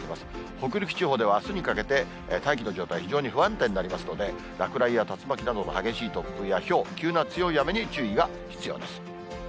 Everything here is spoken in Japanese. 北陸地方では、あすにかけて大気の状態非常に不安定になりますので、落雷や竜巻などの激しい突風やひょう、急な強い雨に注意が必要です。